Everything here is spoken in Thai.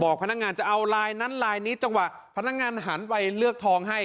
พนักงานจะเอาลายนั้นลายนี้จังหวะพนักงานหันไปเลือกทองให้